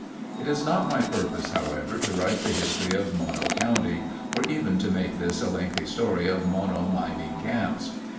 It is not my purpose, however, to write the history of Mono County, or even to make this a lengthy story of Mono mining camps.